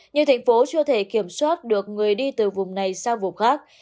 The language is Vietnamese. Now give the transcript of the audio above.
nhưng thành phố chưa thể kiểm soát được người đi từ vùng này sang vùng khác